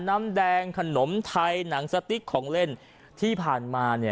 น้ำแดงขนมไทยหนังสติ๊กของเล่นที่ผ่านมาเนี่ย